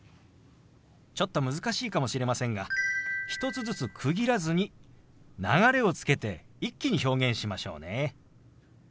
ちょっと難しいかもしれませんが１つずつ区切らずに流れをつけて一気に表現しましょうね。